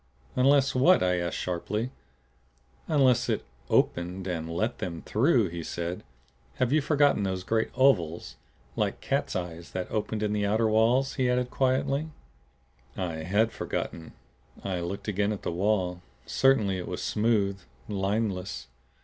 "Unless what?" I asked sharply. "Unless it opened and let them through," he said. "Have you forgotten those great ovals like cat's eyes that opened in the outer walls?" he added quietly. I HAD forgotten. I looked again at the wall. Certainly it was smooth, lineless.